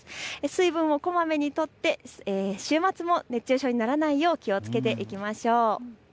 水分をこまめにとって週末も熱中症にならないよう気をつけていきましょう。